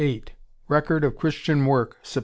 Record of Christian Work, Sept.